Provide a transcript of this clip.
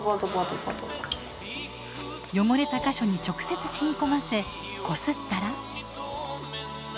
汚れた箇所に直接染み込ませこすったら。